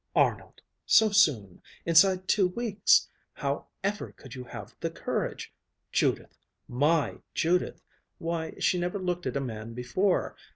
Arnold! So soon! Inside two weeks! How ever could you have the courage? Judith! My Judith! Why, she never looked at a man before.